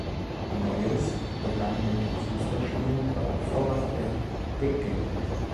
Neues begann mit dem Fußballspielen beim VfR Büttgen.